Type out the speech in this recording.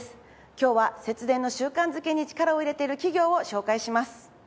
今日は節電の習慣付けに力を入れている企業を紹介します。